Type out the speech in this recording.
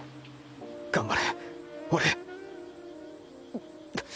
頑張れ俺！